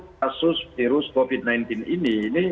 kenapa karena untuk kasus virus covid sembilan belas ini